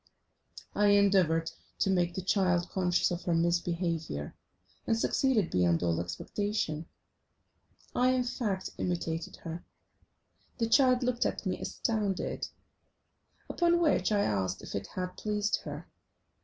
I endeavoured to make the child conscious of her misbehaviour, and succeeded beyond all expectation. I, in fact, imitated her. The child looked at me astounded, upon which I asked if it had pleased her.